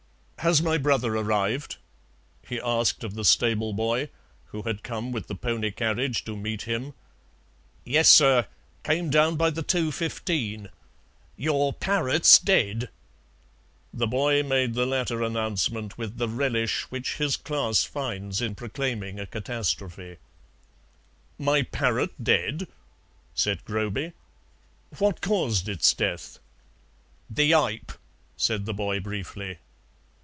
"Has my brother arrived?" he asked of the stable boy, who had come with the pony carriage to meet him. "Yessir, came down by the two fifteen. Your parrot's dead." The boy made the latter announcement with the relish which his class finds in proclaiming a catastrophe. "My parrot dead?" said Groby. "What caused its death?" "The ipe," said the boy briefly.